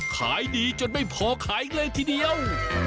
ขายดีจนไม่พอขายเลยทีเดียว